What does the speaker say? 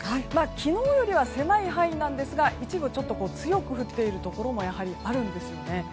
昨日よりは狭い範囲なんですが一部、強く降っているところもあるんですよね。